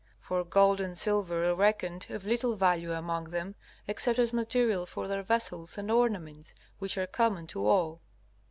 For gold and silver are reckoned of little value among them except as material for their vessels and ornaments, which are common to all.